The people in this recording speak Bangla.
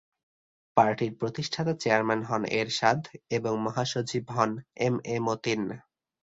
পার্টির প্রতিষ্ঠাতা চেয়ারম্যান হন এরশাদ এবং মহাসচিব হন এম এ মতিন।